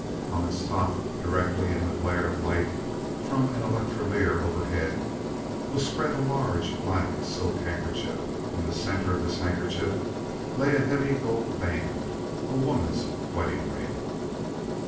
On its top, directly in the glare of light from an electrolier overhead, was spread a large black silk handkerchief. In the center of this handkerchief lay a heavy gold band a woman's wedding ring.